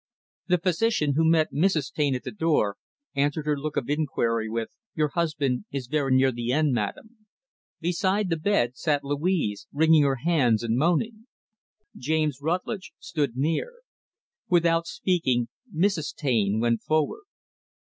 The physician who met Mrs. Taine at the door, answered her look of inquiry with; "Your husband is very near the end, madam." Beside the bed, sat Louise, wringing her hands and moaning. James Rutlidge stood near. Without speaking, Mrs. Taine went forward.